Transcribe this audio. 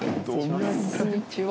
こんにちは。